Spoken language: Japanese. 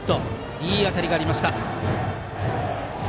いい当たりがありました。